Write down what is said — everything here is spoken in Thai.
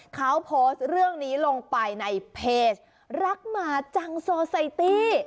เขาโพสต์เรื่องนี้ลงไปในเพจรักหมาจังโซไซตี้